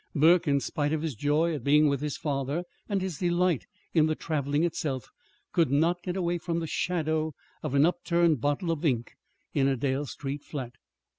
Burke, in spite of his joy at being with his father and his delight in the traveling itself, could not get away from the shadow of an upturned bottle of ink in a Dale Street flat.